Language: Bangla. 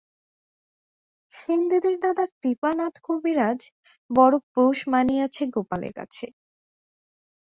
সেনদিদির দাদা কৃপানাথ কবিরাজ বড় পোষ মানিয়াছে গোপালের কাছে।